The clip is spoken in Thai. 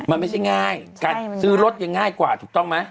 มันไม่ใช่ง่ายการซื้อรถยังง่ายกว่าถูกต้องไหม